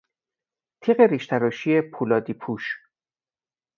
تیغ ریش تراشی پولادی پوش